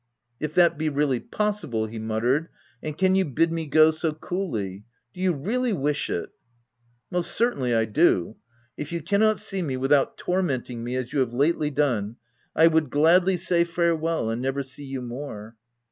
"If that be really possible/' he muttered —" and can you bid me go so coolly ! Do you really wish it ?" u Most certainly I do. If you cannot see me without tormenting me as you have lately done, I w r ould gladly say farewell and never see you more."